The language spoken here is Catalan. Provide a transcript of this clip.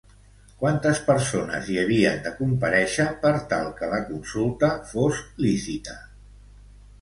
Quantes persones hi havien de comparèixer, per tal que la consulta fos lícita?